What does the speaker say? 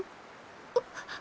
あっ。